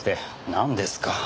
なんですか？